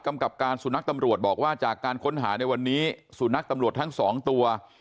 กับการสุนัขตำรวจบอกว่าจากการค้นหาในวันนี้สุนัขตำรวจทั้งสองตัว